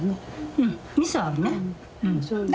うんみそ合うね。